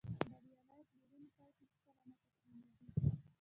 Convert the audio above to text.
بریالی پلورونکی هیڅکله نه تسلیمېږي.